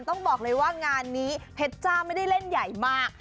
ต้องบอกเลยว่างานนี้เพชรจ้าไม่ได้เล่นใหญ่มาก